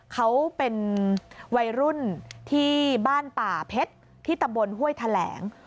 เขาเป็นวัยรุ่นที่บ้านป่าเพชรที่ตำบลห้วยแถลง